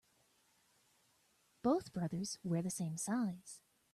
Both brothers wear the same size.